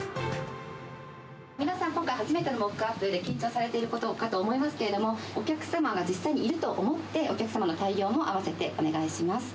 皆さん、今回、初めてのモックアップで緊張されているかと思いますけれども、お客様が実際にいると思って、お客様の対応もあわせてお願いします。